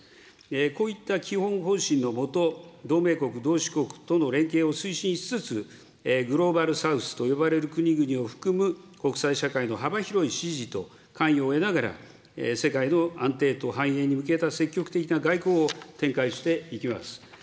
こういった基本方針の下、同盟国、同志国との連携を推進しつつ、グローバル・サウスと呼ばれる国々を含む、国際社会の幅広い支持とはんいを得ながら、世界の安定と繁栄に向けた積極的な外交を展開していきます。